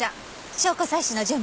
証拠採取の準備。